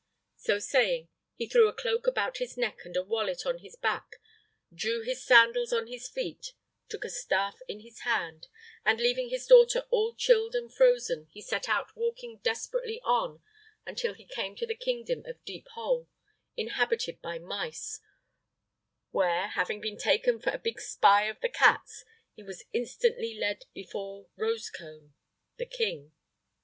So saying, he threw a cloak about his neck and a wallet on his back, drew his sandals on his feet, took a staff in his hand, and, leaving his daughter all chilled and frozen, he set out walking desperately on until he came to the kingdom of Deep Hole, inhabited by mice, where, having been taken for a big spy of the cats, he was instantly led before Rosecone, the king.